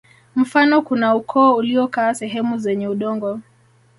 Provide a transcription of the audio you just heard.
Mfano kuna ukoo uliokaa sehemu zenye udongo